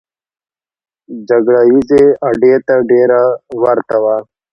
جګړه ییزې اډې ته ډېره ورته وه.